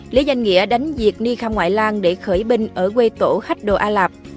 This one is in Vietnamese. lý danh nghĩa đánh diệt ni kham ngoại lan để khởi binh ở quê tổ hách đồ a lạp